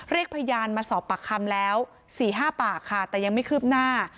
เรียกพยานมาสอบปากคำแล้ว๔๕ปากค่ะแต่ยังไม่คืบหน้า